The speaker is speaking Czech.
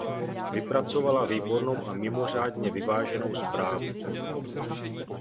Vypracovala výbornou a mimořádně vyváženou zprávu.